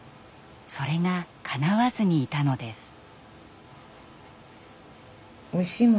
それがかなわずにいたのです。